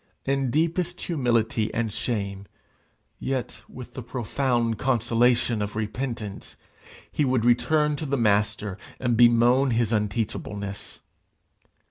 In deepest humility and shame, yet with the profound consolation of repentance, he would return to the Master and bemoan his unteachableness.